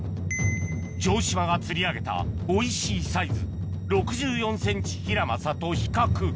城島が釣り上げたおいしいサイズ６４ｃｍヒラマサと比較